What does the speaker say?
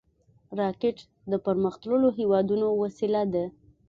راکټ د پرمختللو هېوادونو وسیله ده